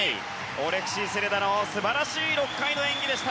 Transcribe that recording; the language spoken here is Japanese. オレクシー・セレダ素晴らしい６回の演技でした。